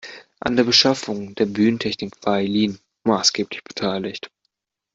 An der Beschaffung der Bühnentechnik war Eileen maßgeblich beteiligt.